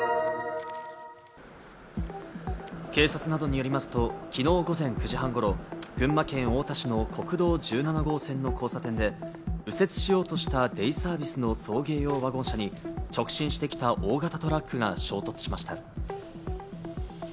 警察などによりますと、昨日午前９時半頃、群馬県太田市の国道１７号線の交差点で、右折しようとしたデイサービスの送迎用ワゴン車に直進してきた大型トラックが衝突しました。